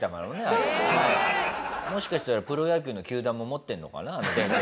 もしかしたらプロ野球の球団も持ってるのかな？